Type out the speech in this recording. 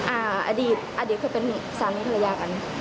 อดีตอดีตเคยเป็นสามีภรรยากัน